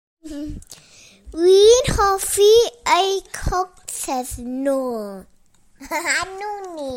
Wi'n hoffi eu coctêls nhw.